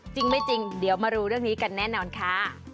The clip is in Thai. จริงไม่จริงเดี๋ยวมารู้เรื่องนี้กันแน่นอนค่ะ